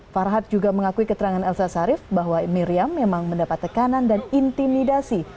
farhad juga mengakui keterangan elsa sharif bahwa miriam memang mendapat tekanan dan intimidasi